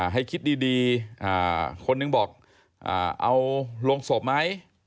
ให้คิดดีคนนึงบอกเอาโรงศพไหม